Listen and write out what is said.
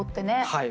はい。